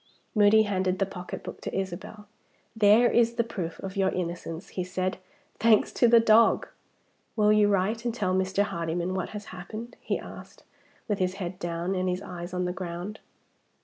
Moody handed the pocketbook to Isabel. "There is the proof of your innocence," he said, "thanks to the dog! Will you write and tell Mr. Hardyman what has happened?" he asked, with his head down and his eyes on the ground.